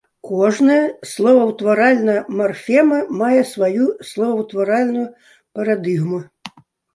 Кожная словаўтваральная марфема мае сваю словаўтваральную парадыгму.